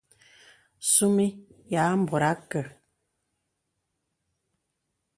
Sūmī yà àbōrà àkə.